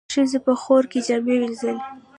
ښځو په خوړ کې جامې وينځلې.